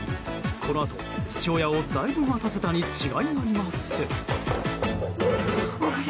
このあと父親をだいぶ待たせたに違いありません。